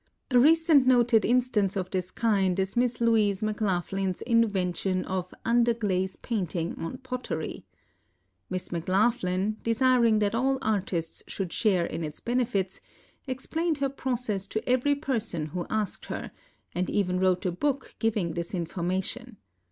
A re cent noted instance of this kind is Miss Louise McLaughlin's invention of underglaze painting on pottery. Miss McLaughlin, desiring that all artists should share in its benefits, explained her process to every person who asked her, and even wrote a book giving this information.